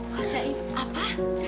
berusnya ibu apa